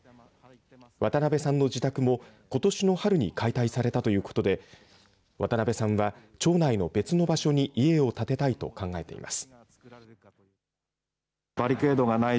渡辺さんの自宅もことしの春に解体されたということで渡辺さんは、町内の別の場所に家を建てたいと考えています。